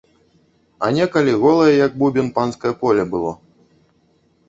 А некалі голае як бубен панскае поле было.